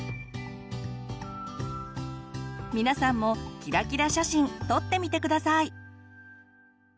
皆さんもキラキラ写真撮ってみて下さい！